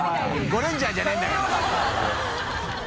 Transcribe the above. ゴレンジャーじゃないんだから。